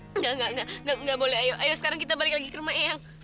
eh enggak enggak enggak enggak boleh ayo ayo sekarang kita balik lagi ke rumah eyang